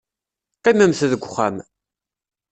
Qqimemt deg uxxam.